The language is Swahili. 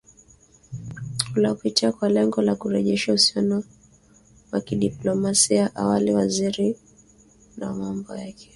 uliopita kwa lengo la kurejesha uhusiano wa kidiplomasia Awali waziri wa mambo ya nje wa Iraq